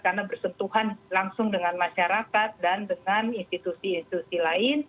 karena bersentuhan langsung dengan masyarakat dan dengan institusi institusi lain